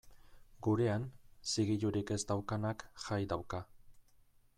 Gurean, zigilurik ez daukanak jai dauka.